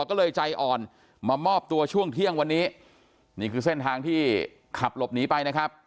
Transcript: ก็เลยใจอ่อนมามอบตัวช่วงเที่ยงวันนี้นี่คือเส้นทางที่ขับหลบหนีไปนะครับ